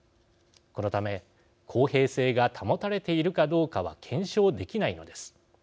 このため公平性が保たれているかどうかは検証できないのです。